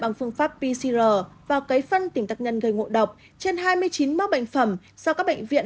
bằng phương pháp pcr và cấy phân tỉnh tạc nhân gây ngộ độc trên hai mươi chín mẫu bệnh phẩm do các bệnh viện